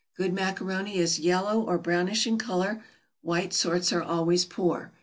Good macaroni is yellow or brownish in color; white sorts are always poor.